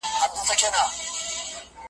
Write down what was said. لکه پل غوندي په لار کي پاتېده دي .